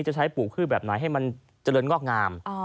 จะใช้ปลูกพืชแบบไหนให้มันเจริญงอกงาม